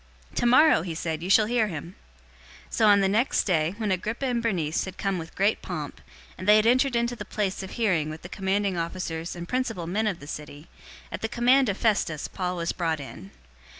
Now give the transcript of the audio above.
"Tomorrow," he said, "you shall hear him." 025:023 So on the next day, when Agrippa and Bernice had come with great pomp, and they had entered into the place of hearing with the commanding officers and principal men of the city, at the command of Festus, Paul was brought in.